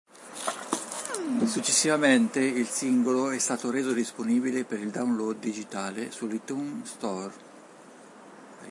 Successivamente il singolo è stato reso disponibile per il download digitale sull'iTunes Store.